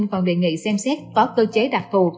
còn đề nghị xem xét có cơ chế đặc thù